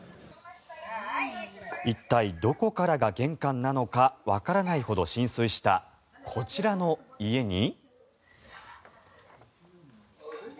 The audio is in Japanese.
一体、どこからが玄関なのかわからないほど浸水したこちらの家に。